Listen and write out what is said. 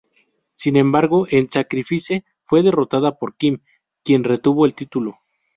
Sin embargo, en "Sacrifice" fue derrotada por Kim, quien retuvo el título.